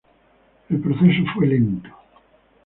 El proceso fue lento.